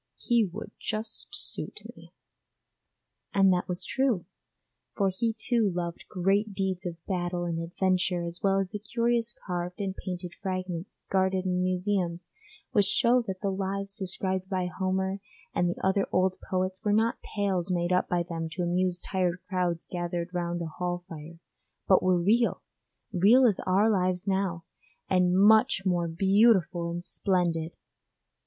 'He would just suit me.' And that was true, for he too loved great deeds of battle and adventure as well as the curious carved and painted fragments guarded in museums which show that the lives described by Homer and the other old poets were not tales made up by them to amuse tired crowds gathered round a hall fire, but were real real as our lives now, and much more beautiful and splendid.